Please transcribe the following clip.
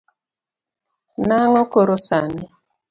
Nang’o koro sani?